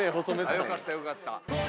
よかったよかった。